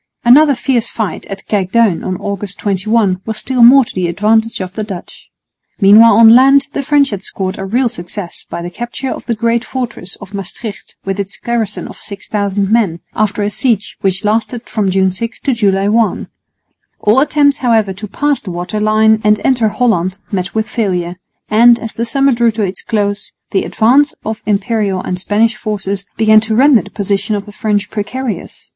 Another fierce fight at Kijkduin on August 21 was still more to the advantage of the Dutch. Meanwhile on land the French had scored a real success by the capture of the great fortress of Maestricht with its garrison of 6000 men, after a siege which lasted from June 6 to July 1. All attempts, however, to pass the water line and enter Holland met with failure; and, as the summer drew to its close, the advance of Imperial and Spanish forces began to render the position of the French precarious.